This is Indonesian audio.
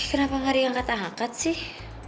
kenapa gak diangkat angkat sih